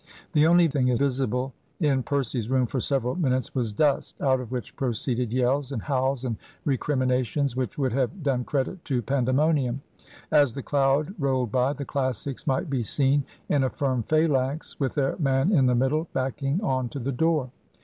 The only thing visible in Percy's room for several minutes was dust out of which proceeded yells, and howls, and recriminations which would have done credit to Pandemonium. As the cloud rolled by, the Classics might be seen in a firm phalanx, with their man in the middle, backing on to the door.